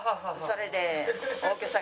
それで。